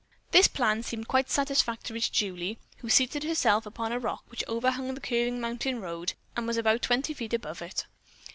This plan seemed quite satisfactory to Julie, who seated herself upon a rock which overhung the curving mountain road, and was about twenty feet above it.